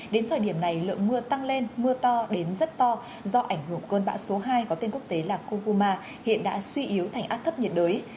đến thời điểm này lượng mưa tăng lên mưa to đến rất to do ảnh hưởng cơn bão số hai có tên quốc tế là koguma hiện đã suy yếu thành áp thấp nhiệt đới